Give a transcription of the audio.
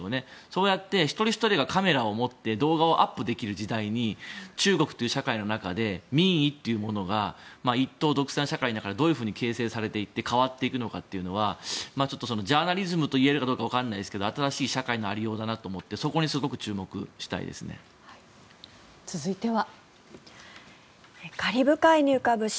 そうやって一人ひとりがカメラを持って動画をアップできる時代に中国という社会の中で民意というものが一党独裁の社会の中でどうやって形成されていって変わっていくのかというのはちょっとジャーナリズムといえるかどうかわからないですが新しい社会の有りようだなと思って続いては。